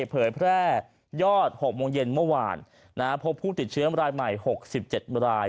เผยแพร่ยอด๖โมงเย็นเมื่อวานพบผู้ติดเชื้อรายใหม่๖๗ราย